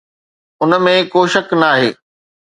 ان ۾ ڪو شڪ ناهي.